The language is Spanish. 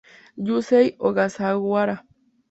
Yusei Ogasawara